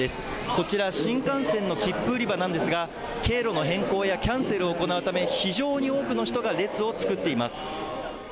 こちら新幹線の切符売り場なんですが経路の変更やキャンセルを行うため非常に多くの人が列を作っています。